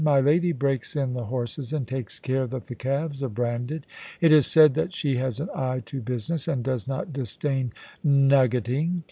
My lady breaks in the horses and takes care that the calves are branded. It is said that she has an eye to business, and does not disdain nuggeting.